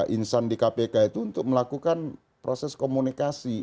insan di kpk itu untuk melakukan proses komunikasi